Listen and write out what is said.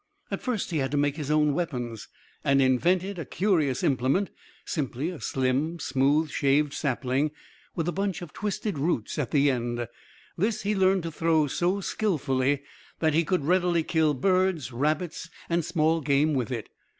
At first he had to make his own weapons, and invented a curious implement, simply a slim, smooth shaved sapling, with a bunch of twisted roots at the end. This he learned to throw so skilfully that he could readily kill birds, rabbits, and small game with it.